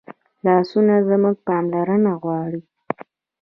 لاسونه زموږ پاملرنه غواړي